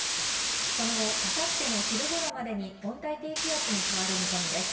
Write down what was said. その後、明後日の昼ごろまでに温帯低気圧に変わる見込みです。